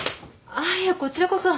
あっいやこちらこそ。